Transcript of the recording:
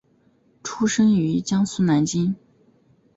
出生于江苏南京。